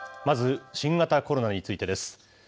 まず新型コロナについてです。